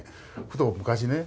ふと昔ね